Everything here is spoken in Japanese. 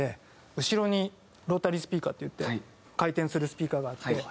後ろにロータリースピーカーといって回転するスピーカーがあって。